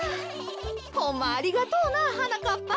ホンマありがとうなはなかっぱ。